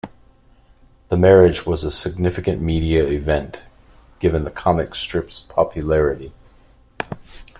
The marriage was a significant media event, given the comic strip's popularity.